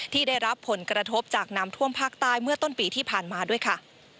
ที่ได้รับผลกระทบจากน้ำท่วมภาคใต้เมื่อต้นปีที่ผ่านมาด้วยค่ะ